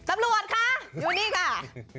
ตำรวจคะอยู่นี่ค่ะ